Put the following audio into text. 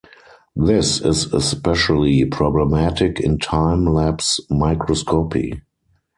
This is especially problematic in time-lapse microscopy.